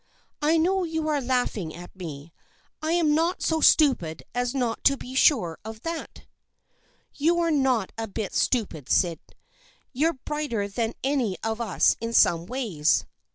I know you are laugh ing at me. I am not so stupid as not to be sure of that." " You're not a bit stupid, Syd. You're brighter than any of us in some ways.